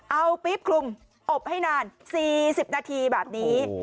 เอาปี๊บคลุมอบให้นาน๔๐นาทีแบบนี้